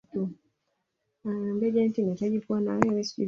Siku ya furaha.